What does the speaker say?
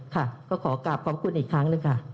ค่ะก็ขอกลับขอบคุณอีกครั้งหนึ่งค่ะ